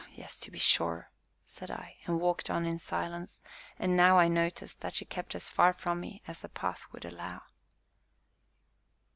"Ah, yes, to be sure!" said I, and walked on in silence; and now I noticed that she kept as far from me as the path would allow.